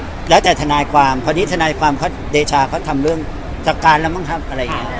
ก็แล้วแต่ทนายความพอดีทนายความเขาเดชาเขาทำเรื่องจัดการแล้วมั้งครับอะไรอย่างเงี้ย